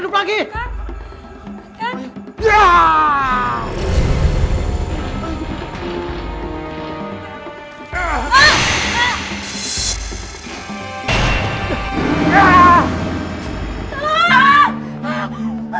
juragan hidup lagi